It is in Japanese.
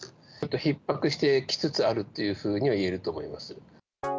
ひっ迫してきつつあるというふうにはいえると思います。